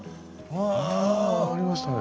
ああありましたね。